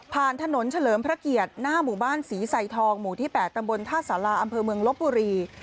ถนนเฉลิมพระเกียรติหน้าหมู่บ้านศรีใส่ทองหมู่ที่๘ตำบลท่าสาราอำเภอเมืองลบบุรี